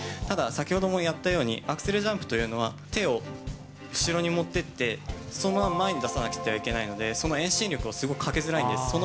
ただ、先ほどもやったように、アクセルジャンプというのは、手を後ろに持ってって、そのまま前に出さなくてはいけないので、その遠心力をすごいかけづらいんです。